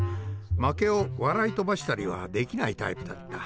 負けを笑い飛ばしたりはできないタイプだった。